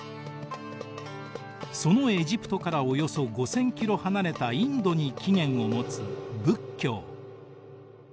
そのエジプトからおよそ５，０００ｋｍ離れたインドに起源を持つ仏教。